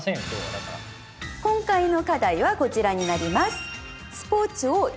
今回の課題はこちらになります。